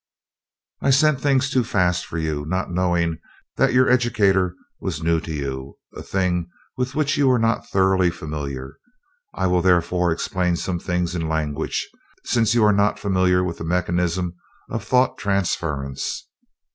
"I sent things too fast for you, not knowing that your educator was new to you; a thing with which you were not thoroughly familiar. I will therefore explain some things in language, since you are not familiar with the mechanism of thought transference.